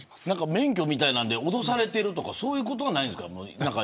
免許みたいなので脅されてるみたいなことはあるんですか。